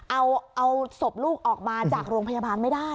เอาศพลูกออกมาจากโรงพยาบาลไม่ได้